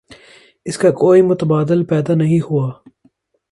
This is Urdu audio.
اس کا کوئی متبادل پیدا نہیں ہوا۔